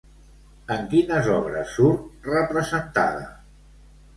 En quines obres surt representada?